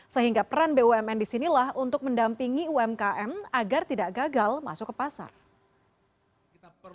sehingga peran bumn disinilah untuk mendampingi umkm agar tidak gagal masuk ke pasar